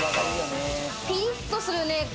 ピリッとするね。